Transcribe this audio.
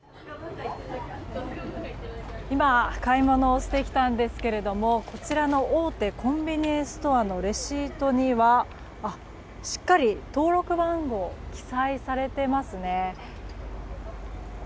今、買い物をしてきたんですがこちらの大手コンビニエンスストアのレシートにはしっかり登録番号が記載されていますね。